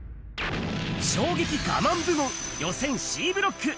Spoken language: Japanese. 衝撃我慢部門予選Ｃブロック。